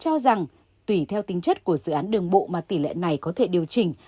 cho rằng tùy theo tính chất của dự án đường bộ mà tỷ lệ này có thể điều chỉnh